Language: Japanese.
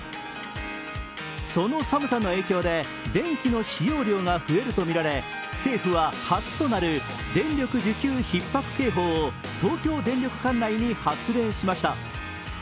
その寒さの影響で、電気の使用量が増えるとみられ政府は初となる電力需給ひっ迫警報を東京電力管内に発令しました。